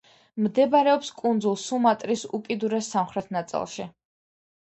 მდებარეობს კუნძულ სუმატრის უკიდურეს სამხრეთ ნაწილში.